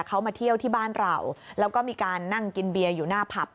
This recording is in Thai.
เขามาเที่ยวที่บ้านเราแล้วก็มีการนั่งกินเบียร์อยู่หน้าผับ